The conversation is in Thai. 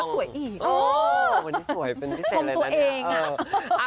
ขาวอีกก็สวยอีกของตัวเองอ่ะ